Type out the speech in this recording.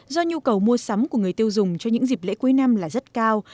do nhu cầu mua sắm của người tiêu dùng cho những dịp lễ cuối năm là rất cao